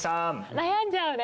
悩んじゃうね。